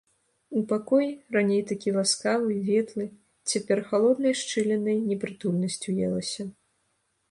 У пакой, раней такі ласкавы, ветлы, цяпер халоднай шчылінай непрытульнасць уелася.